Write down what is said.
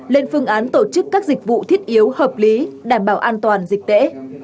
lên phương án tổ chức các dịch vụ thiết yếu hợp lý đảm bảo an toàn dịch tễ